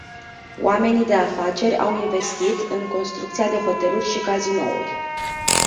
Oamenii de afaceri au investit în construcția de hoteluri și cazinouri.